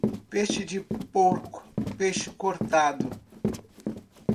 Peixe de porco, peixe cortado.